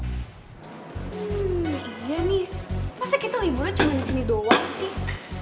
hmm iya nih masa kita liburnya cuma di sini doang sih